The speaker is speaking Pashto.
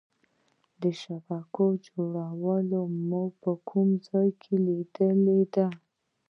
شبکه جوړونه مو په کوم ځای کې لیدلې ده؟